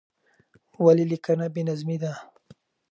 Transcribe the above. ولې لیکنه بې نظمې ده؟